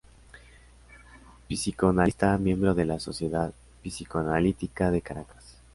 Psicoanalista miembro de la Sociedad Psicoanalítica de Caracas.